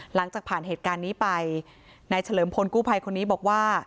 หลังจากผ่านเหตุการณ์นี้ไปนายเฉลิมพลกู้ภัยคนนี้บอกว่า